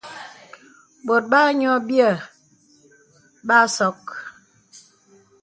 Bɔ̀t bā nyɔ byə̂ bə a sɔk.